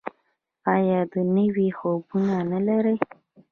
آیا او نوي خوبونه نلري؟